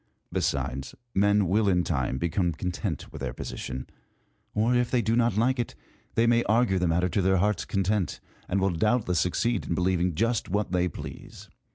Besides, men will in time become content with their position ; or, if they do not like it, they may argue the matter to their hearts' content, and will doubt less succeed in believing just what they please.